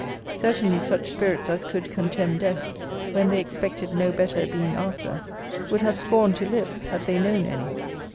Certainly such spirits as could contemn death, when they expected no better being after, would have scorned to live, had they known any.